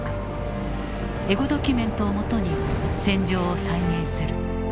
エゴドキュメントをもとに戦場を再現する。